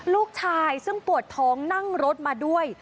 ลูกชายซึ่งปวดท้องนั่งรถมาด้วย